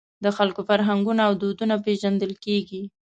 د خلکو فرهنګونه او دودونه پېژندل کېږي.